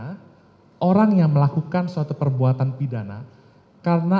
jika ini bukti pratensa perintah jabatan karena perintah jabatan atau amtelk bevel yang diberikan oleh penguasa yang berwenang